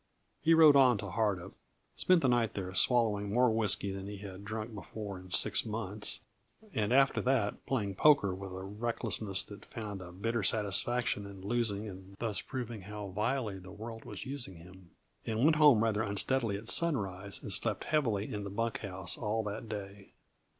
He rode on to Hardup, spent the night there swallowing more whisky than he had drunk before in six months, and after that playing poker with a recklessness that found a bitter satisfaction in losing and thus proving how vilely the world was using him, and went home rather unsteadily at sunrise and slept heavily in the bunk house all that day.